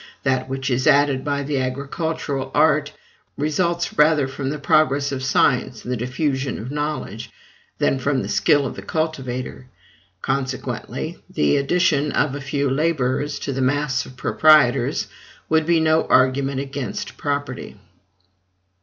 That which is added by the agricultural art results rather from the progress of science and the diffusion of knowledge, than from the skill of the cultivator. Consequently, the addition of a few laborers to the mass of proprietors would be no argument against property."